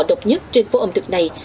độc nhất trên phố ẩm thực này